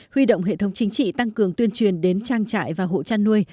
huy động hệ thống chính trị tăng cường tuyên truyền đến trang trại và hộ chăn nuôi